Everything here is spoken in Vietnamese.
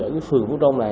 ở cái phường quốc trông này